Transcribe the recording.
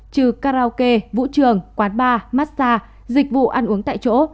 trừ karaoke vũ trường quán bar massage dịch vụ ăn uống tại chỗ